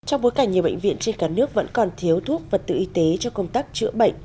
trong bối cảnh nhiều bệnh viện trên cả nước vẫn còn thiếu thuốc và tự y tế cho công tác chữa bệnh